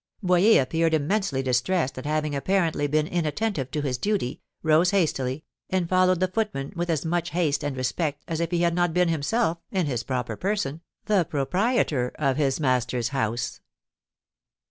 Boyer appeared immensely distressed at having apparently been inattentive to his duty, rose hastily, and followed the footman with as much haste and respect as if he had not been himself, in his proper person, the proprietor of his master's house.